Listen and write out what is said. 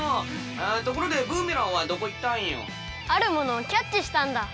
ところでブーメランはどこいったんよ？あるものをキャッチしたんだ。